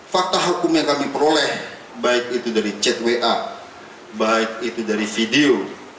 fakta hukum yang kami peroleh baik itu dari chat wa baik itu dari video